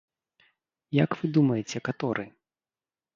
Як вы думаеце, каторы?